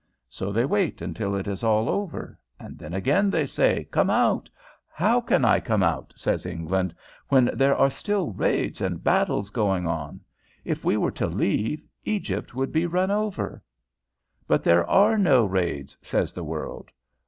So they wait until it is all over, and then again they say, 'Come out.' 'How can I come out,' says England, 'when there are still raids and battles going on? If we were to leave, Egypt would be run over.' 'But there are no raids,' says the world.